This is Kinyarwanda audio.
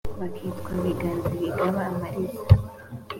Bakitwa "biganza bigaba amariza".